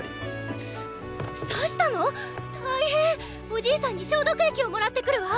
おじいさんに消毒液を貰ってくるわ！